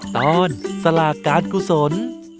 ตอนสลาการ์ดกุศล